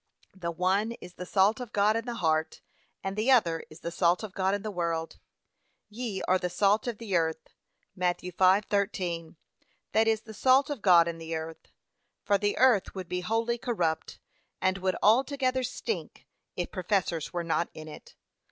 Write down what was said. The one is the salt of God in the heart, and the other is the salt of God in the world. 'Ye are the salt of the earth:' (Matt. 5:13) that is the salt of God in the earth. For the earth would be wholly corrupt, and would altogether stink, if professors were not in it.